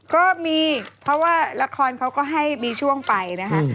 ก็มีเพราะว่าละครเขาก็ให้มีช่วงไปนะคะ